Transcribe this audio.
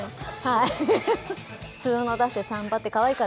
はい。